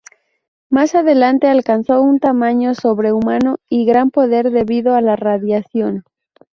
Más adelante alcanzó un tamaño sobrehumano y gran poder debido a la radiación.